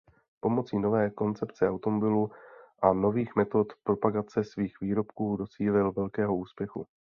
Pomocí nové koncepce automobilu a nových metod propagace svých výrobků docílil velkého úspěchu.